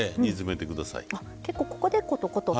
結構ここでコトコトと。